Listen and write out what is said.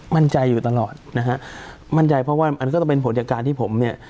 มั่นใจอยู่ตลอดนะฮะมั่นใจเพราะว่ามันก็จะเป็นผลจากการที่ผมเนี่ย